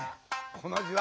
この字は。